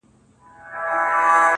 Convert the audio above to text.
د هارون حکیمي اشعار د انځور